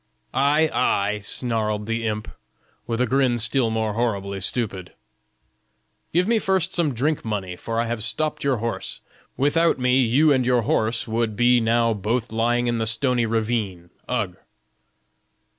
'Ay, ay!' snarled the imp, with a grin still more horribly stupid. 'Give me first some drink money, for I have stopped your horse; without me you and your horse would be now both lying in the stony ravine; ugh!'